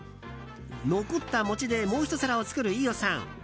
残った餅でもうひと皿を作る飯尾さん。